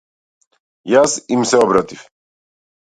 Јас им се обратив.